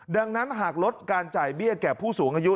ดังนั้นหากลดการจ่ายเบี้ยแก่ผู้สูงอายุ